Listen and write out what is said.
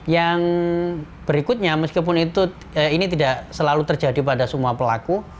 yang berikutnya meskipun itu ini tidak selalu terjadi pada semua pelaku